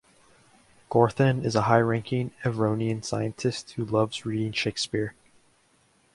Gorthan is a high-ranking Evronian scientist who loves reading Shakespeare.